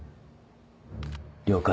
了解。